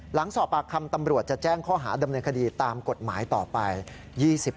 หลังสอบปากคำตำรวจจะแจ้งข้อหาดำเนินคดีตามกฎหมายต่อไป